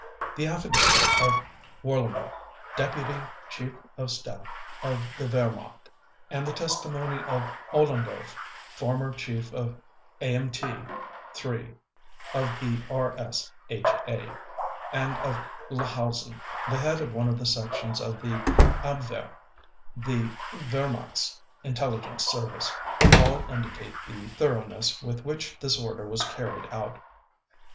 The affidavit of Warlimont, Deputy Chief of Staff of the Wehrmacht, and the testimony of Ohlendorf, former Chief of Amt III of the RSHA, and of Lahousen, the head of one of the sections of the Abwehr, the Wehrmacht's Intelligence Service, all indicate the thoroughness with which this order was carried out.